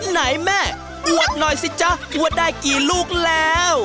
ไหนแม่อวดหน่อยสิจ๊ะอวดได้กี่ลูกแล้ว